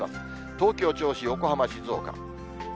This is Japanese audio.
東京、銚子、横浜、静岡。